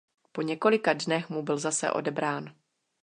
Po několika dnech mu byl zase odebrán.